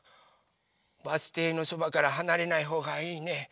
バスていのそばからはなれないほうがいいね。